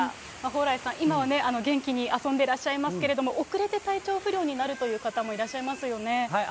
蓬莱さん、今はね、元気に遊んでらっしゃいますけれども、遅れて体調不良になるという方もいらっしゃいますよね。